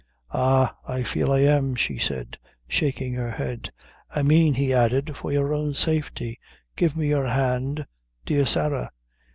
"Ah, I feel I am," she said, shaking her head. "I mane," he added, "for your own safety. Give me your hand, dear Sarah."